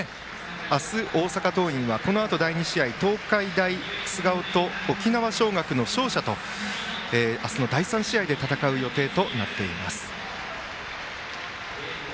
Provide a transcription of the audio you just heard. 明日、大阪桐蔭はこのあと第２試合東海大菅生と沖縄尚学の勝者と明日の第３試合で戦う予定となっています。